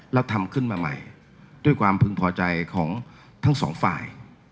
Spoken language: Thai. แล้วทำขึ้นมาใหม่ด้วยความพึงพอใจของทั้งสองฝ่าย